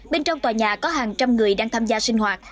bên trong tòa nhà có hàng trăm người đang tham gia sinh hoạt